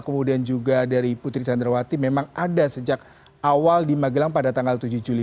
kemudian juga dari putri candrawati memang ada sejak awal di magelang pada tanggal tujuh juli